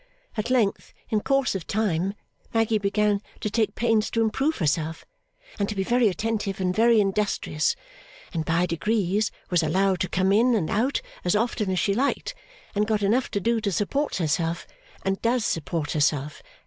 At length, in course of time, Maggy began to take pains to improve herself, and to be very attentive and very industrious; and by degrees was allowed to come in and out as often as she liked, and got enough to do to support herself, and does support herself.